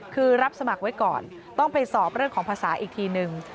คือรับสมัครไว้ก่อนต้องไปสอบเรื่องของภาษาอีกทีนึง